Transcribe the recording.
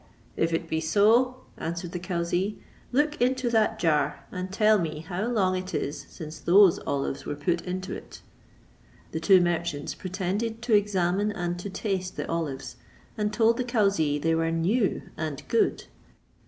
"If it be so," answered the cauzee, "look into that jar, and tell me how long it is since those olives were put into it?" The two merchants pretended to examine and to taste the olives, and told the cauzee they were new and good.